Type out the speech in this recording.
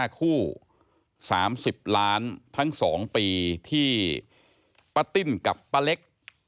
๕คู่๓๐ล้านทั้ง๒ปีที่ป้าติ้นกับป้าเล็ก